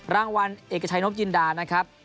รางวัลเอกชัยนบจินดานะครับ